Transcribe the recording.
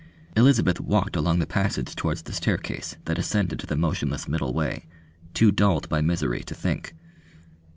Elizabeth walked along the passage towards the staircase that ascended to the motionless middle way, too dulled by misery to think.